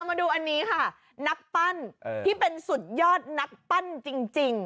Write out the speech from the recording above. มาดูอันนี้ค่ะนักปั้นที่เป็นสุดยอดนักปั้นจริง